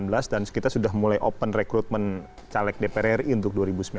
pilih keadatan dua ribu delapan belas dan kita sudah mulai open recruitment caleg dpr ri untuk dua ribu sembilan belas